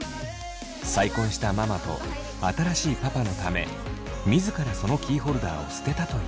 再婚したママと新しいパパのため自らそのキーホルダーを捨てたといいます。